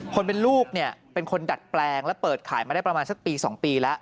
คนเป็นลูกเนี่ยเป็นคนดัดแปลงและเปิดขายมาได้ประมาณสักปี๒ปีแล้ว